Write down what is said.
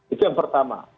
itu yang pertama